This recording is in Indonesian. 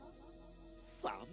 janganlah kau berguna